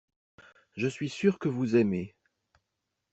Je suis sûr que vous aimez.